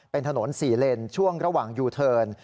เป็นถนน๔เลนช่วงระหว่างยูเทิร์น